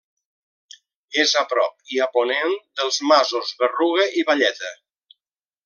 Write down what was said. És a prop i a ponent dels masos Berruga i Valleta.